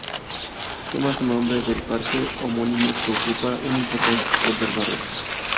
Toma su nombre del parque homónimo que ocupa un importante sector del barrio.